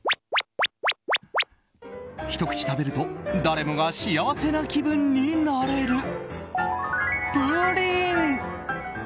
ひと口食べると誰もが幸せな気分になれるプリン。